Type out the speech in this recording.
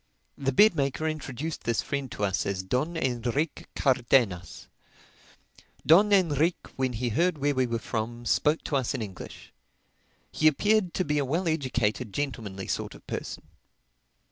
The bed maker introduced this friend to us as Don Enrique Cardenas. Don Enrique when he heard where we were from, spoke to us in English. He appeared to be a well educated, gentlemanly sort of person.